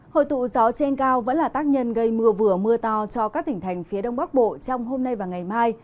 hội tụ gió trên cao vẫn là tác nhân gây mưa vừa mưa to cho các tỉnh thành phía đông bắc bộ trong hôm nay và ngày mai